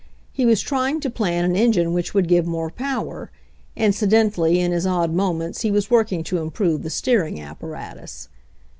He was trying to plan an en gine which would give more power; incidentally in his odd moments he was working to improve the steering apparatus.